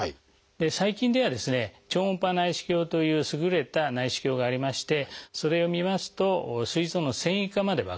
最近では超音波内視鏡という優れた内視鏡がありましてそれをみますとすい臓の線維化まで分かります。